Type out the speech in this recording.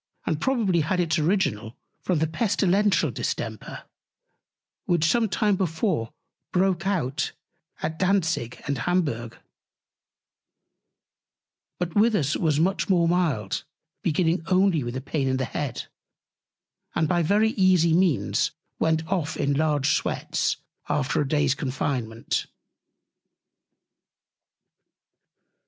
and probably had its Original from the Pestilential Distemper, which some time before broke out at Dantzick and Hamburgh: But with us was much more mild, beginning only with a Pain in the Head, and by very easy Means went off in large Sweats, after a Day's Confinement.